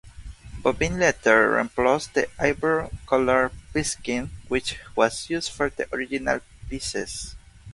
Bovine leather replaced the ivory-colored pigskin which was used for the original pieces.